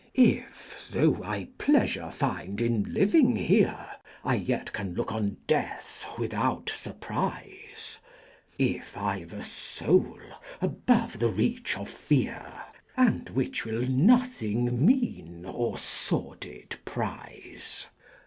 ][f, tho' I Pleafure find in living here, ^ I yet can look on Death without Surprize: If I've a Soul above the Reach of Fear, And which will nothing mean or fordid prize.